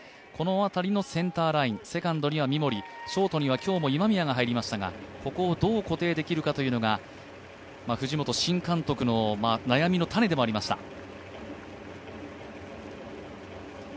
この辺りのセンターライン、セカンドには三森、ショートには今日も今宮が入りましたがここをどう固定できるかというのが藤本新監督の悩みの種でもありました。